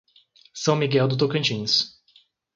São Miguel do Tocantins